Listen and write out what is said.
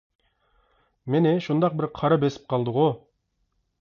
مېنى شۇنداق بىر قارا بېسىپ قالدىغۇ.